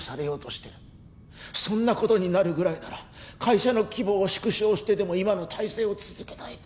そんな事になるぐらいなら会社の規模を縮小してでも今の体制を続けたい！